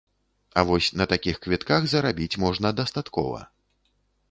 А вось на такіх квітках зарабіць можна дастаткова.